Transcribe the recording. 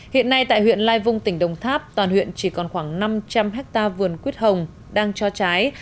hiện nay tại huyện lai vung tỉnh đồng tháp toàn huyện chỉ còn khoảng năm trăm linh hectare vườn quyết hồng đang cho trái